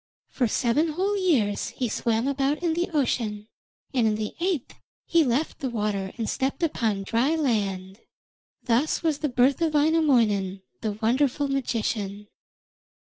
For seven whole years he swam about in the ocean, and in the eighth he left the water and stepped upon the dry land. Thus was the birth of Wainamoinen, the wonderful magician.